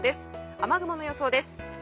雨雲の予想です。